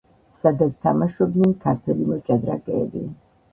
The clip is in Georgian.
სადაც თამაშობდნენ ქართველი მოჭადრაკეები.